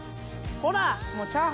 ほら！